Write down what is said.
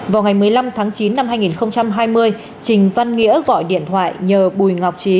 vào ngày một mươi năm tháng chín năm hai nghìn hai mươi trình văn nghĩa gọi điện thoại nhờ bùi ngọc trí